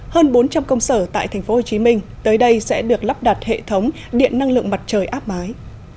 hơn bốn trăm linh công sở tại tp hcm tới đây sẽ được lắp đặt hệ thống điện năng lượng mặt trời áp mái